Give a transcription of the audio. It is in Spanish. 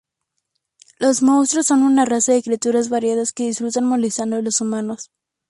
Los monstruos son una raza de criaturas variadas que disfrutan molestando a los humanos.